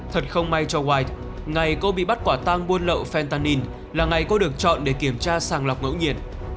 thật không may cho white ngày cô bị bắt quả tang buôn lậu fentanyl là ngày cô được chọn để kiểm tra sàng lọc ngẫu nhiên